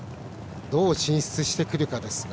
どう進出してくるかですが。